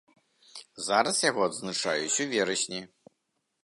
Зараз яго адзначаюць у верасні.